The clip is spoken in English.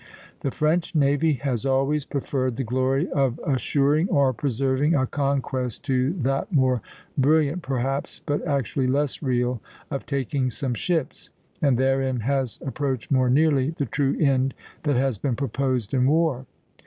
"The French navy has always preferred the glory of assuring or preserving a conquest to that more brilliant perhaps, but actually less real, of taking some ships, and therein has approached more nearly the true end that has been proposed in war."